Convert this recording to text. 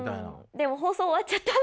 でも放送終わっちゃったので。